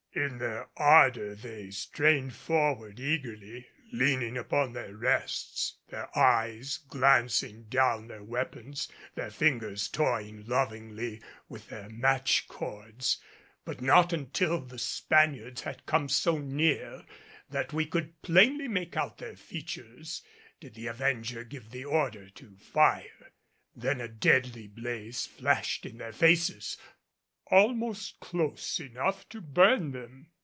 In their ardor they strained forward eagerly, leaning upon their rests, their eyes glancing down their weapons, their fingers toying lovingly with their match cords. But not until the Spaniards had come so near that we could plainly make out their features did the Avenger give the order to fire. Then a deadly blaze flashed in their faces, almost close enough to burn them.